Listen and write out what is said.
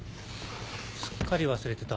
すっかり忘れてた。